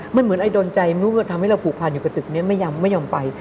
มันเหมือนไอดนใจทำให้เราผูกพันอยู่กับตึกนี้ไม่ยอมไป